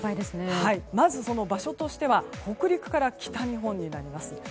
まず、場所としては北陸から北日本になります。